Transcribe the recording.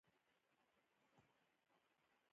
هر څوک چې حوصله لري، بریالی کېږي.